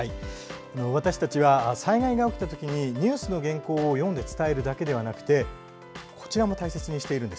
私たちは、災害が起きた時ニュースの原稿を読んで伝えるだけでなくてこちらも大切にしています。